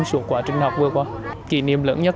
suốt quá trình học vừa qua kỷ niệm lớn nhất